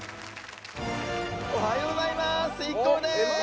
おはようございますＩＫＫＯです